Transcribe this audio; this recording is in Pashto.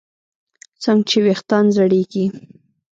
څنګه چې ویښتان زړېږي